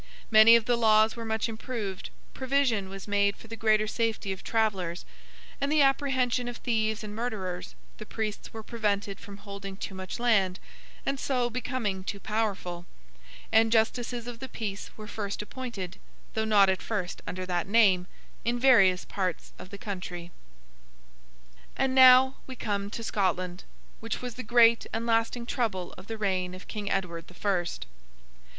Many of the laws were much improved; provision was made for the greater safety of travellers, and the apprehension of thieves and murderers; the priests were prevented from holding too much land, and so becoming too powerful; and Justices of the Peace were first appointed (though not at first under that name) in various parts of the country. And now we come to Scotland, which was the great and lasting trouble of the reign of King Edward the First.